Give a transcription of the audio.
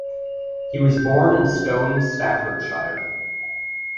He was born in Stone, Staffordshire.